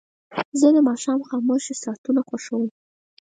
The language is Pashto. زه د ماښام خاموشه ساعتونه خوښوم.